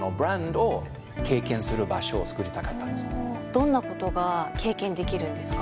どんなことが経験できるんですか？